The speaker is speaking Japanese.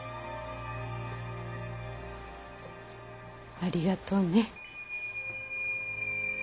ありがとうね。